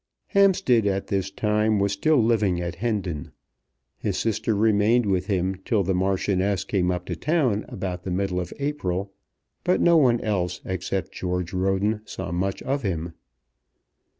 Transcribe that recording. Hampstead at this time was still living at Hendon. His sister remained with him till the Marchioness came up to town about the middle of April, but no one else except George Roden saw much of him.